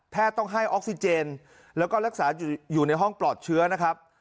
ต้องให้ออกซิเจนแล้วก็รักษาอยู่ในห้องปลอดเชื้อนะครับ